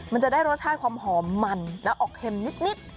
มันจะได้รสชาติความหอมมันแล้วออกเค็มนิด